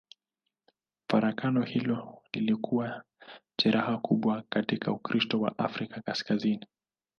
Farakano hilo lilikuwa jeraha kubwa katika Ukristo wa Afrika Kaskazini.